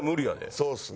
そうっすね。